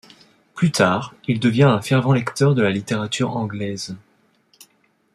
Plus tard, il devient un fervent lecteur de la littérature anglaise.